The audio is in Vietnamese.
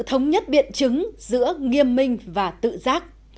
thống nhất biện chứng giữa nghiêm minh và tự giác